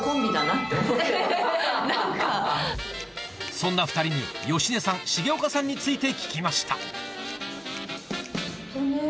そんな２人に芳根さん重岡さんについて聞きました